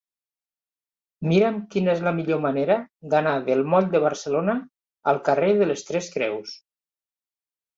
Mira'm quina és la millor manera d'anar del moll de Barcelona al carrer de les Tres Creus.